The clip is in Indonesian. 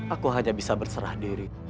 aku hanya bisa berserah diri